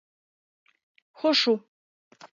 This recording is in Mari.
Хошу!.